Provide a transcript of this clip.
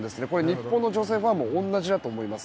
日本の女性ファンも同じだと思います。